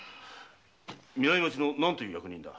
南町の何という役人だ？